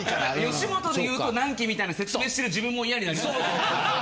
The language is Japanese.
吉本で言うと何期みたいな説明してる自分もイヤになりますよね。